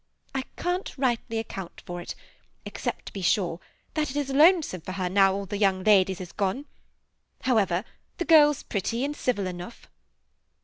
I can't rightly account for it, except, to be sure, that it is lonesome for her now all the young ladies is gone. However, the girl 's pretty, and civil enough."